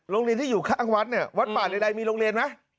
โรงเรียนที่อยู่ข้างวัดเนี่ยวัดป่าใดมีโรงเรียนไหม